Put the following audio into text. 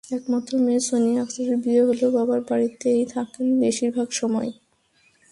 একমাত্র মেয়ে সোনিয়া আক্তারের বিয়ে হলেও বাবার বাড়িতেই থাকেন বেশির ভাগ সময়।